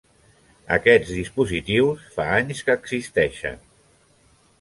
Aquests dispositius existeixen fa bastants anys.